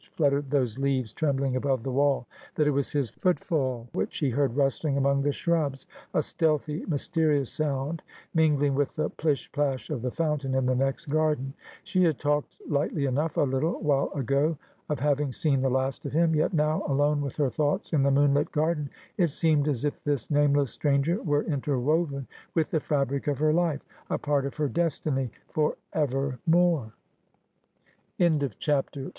25 fluttered those leaves trembling above the wall ; that it was his footfall which she heard rustling among the shrubs — a stealthy, mysterious sound mingling with the plish plash of the fountain in the next garden. She had talked lightly enough a little while ago of having seen the last of him : yet now, alone with her thoughts in the moonlit garden, it seemed as if this nameless stranger were inter